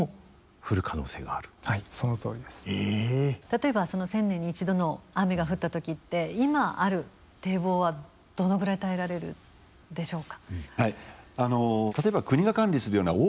例えばその１０００年に１度の雨が降った時って今ある堤防はどのぐらい耐えられるんでしょうか。